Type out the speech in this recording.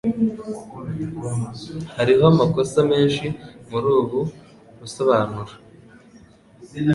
Hariho amakosa menshi muri ubu busobanuro.